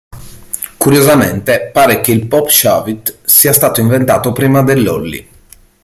Curiosamente, pare che il Pop Shove-it sia stato inventato prima dell'Ollie.